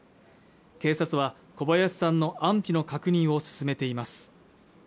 警察は小林さんの安否の確認を進めています